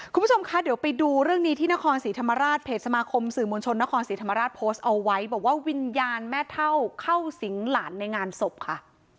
คุณผู้ชมคะเดี๋ยวไปดูเรื่องนี้ที่นครศรีธรรมราชเพจสมาคมสื่อมวลชนนครศรีธรรมราชโพสต์เอาไว้บอกว่าวิญญาณแม่เท่าเข้าสิงหลานในงานศพค่ะ